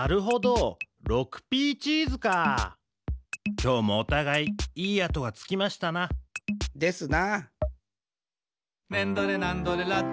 きょうもおたがいいい跡がつきましたな。ですな。